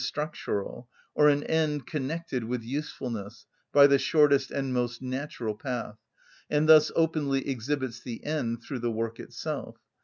_, structural, or an end connected with usefulness, by the shortest and most natural path, and thus openly exhibits the end through the work itself.